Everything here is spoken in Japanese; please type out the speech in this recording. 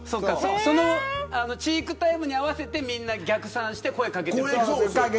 そのチークタイムに合わせてみんな逆算して声を掛けている。